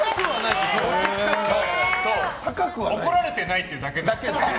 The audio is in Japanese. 怒られてないっていうだけで。